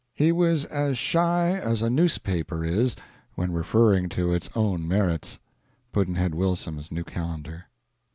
He was as shy as a newspaper is when referring to its own merits. Pudd'nhead Wilson's New Calendar.